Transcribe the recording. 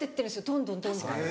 どんどんどんどん。